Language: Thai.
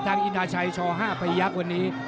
ทางอินาชัยช๕ภัยักษณ์วันนี้